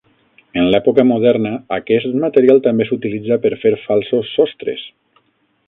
En l'època moderna, aquest material també s'utilitza per fer falsos sostres.